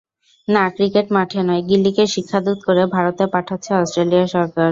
না, ক্রিকেট মাঠে নয়, গিলিকে শিক্ষাদূত করে ভারতে পাঠাচ্ছে অস্ট্রেলিয়া সরকার।